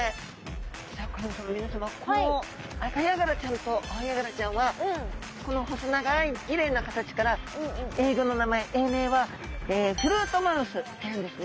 シャーク香音さま皆さまこのアカヤガラちゃんとアオヤガラちゃんはこの細長いきれいな形から英語の名前英名はフルートマウスっていうんですね。